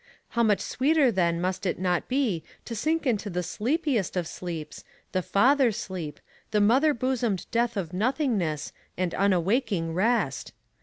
how much sweeter then must it not be to sink into the sleepiest of sleeps, the father sleep, the mother bosomed death of nothingness and unawaking rest!